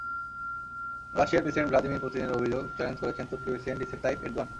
রাশিয়ার president Vladimir পুতিনের অভিযোগ চ্যালেঞ্জ করেছেন তুর্কি প্রেসিডেন্ট রিসেপ তাইয়েপ এরদোয়ান।